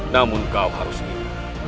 namun kau harus ingin